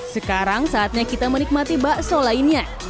sekarang saatnya kita menikmati bakso lainnya